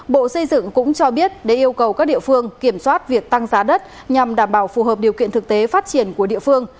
bộ xây dựng cũng cho biết để yêu cầu các địa phương kiểm soát việc tăng giá đất nhằm đảm bảo phù hợp điều kiện thực tế phát triển của địa phương